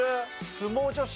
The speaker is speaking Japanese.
相撲女子。